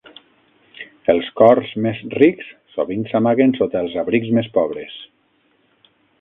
Els cors més rics sovint s'amaguen sota els abrics més pobres.